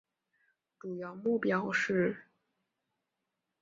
主要目标是